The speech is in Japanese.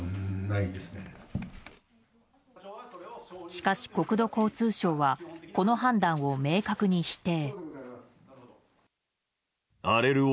しかし国土交通省はこの判断を明確に否定。